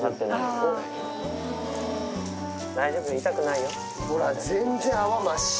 大丈夫痛くないよ。